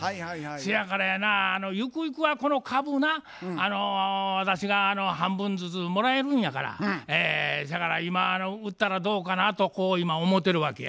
せやからやなゆくゆくはこの株が私が半分ずつもらえるんやからせやから今売ったらどうかなとこう今思うてるわけや。